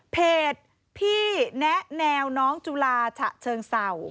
เพจพี่แนะแนวน้องจุลาฉะเชิงเศร้า